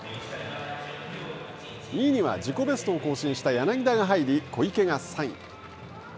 ２位には自己ベストを更新した柳田が入り小池が３位。